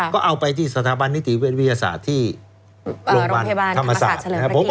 ก็เอาไปที่สถาบันนิติเวชวิทยาศาสตร์ที่โรงพยาบาลธรรมศาสตร์เฉลิมนะครับ